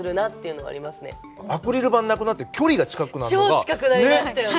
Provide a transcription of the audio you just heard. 超近くなりましたよね。